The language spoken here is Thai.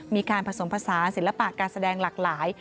มีการผสมภาษาศิลปะการแสดงหลากหลาย